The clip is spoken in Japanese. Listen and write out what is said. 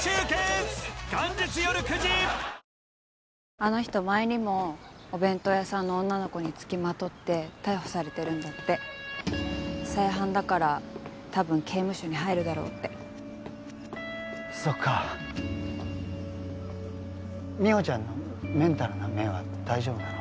あの人前にもお弁当屋さんの女の子につきまとって逮捕されてるんだって再犯だからたぶん刑務所に入るだろうってそっか美穂ちゃんのメンタルな面は大丈夫なの？